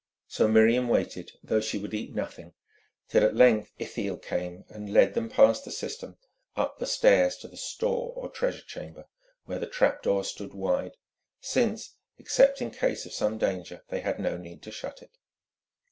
So Miriam waited, though she would eat nothing, till at length Ithiel came and led them past the cistern up the stairs to the store or treasure chamber, where the trap door stood wide, since, except in case of some danger, they had no need to shut it.